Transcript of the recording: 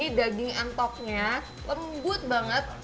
ini daging antoknya lembut banget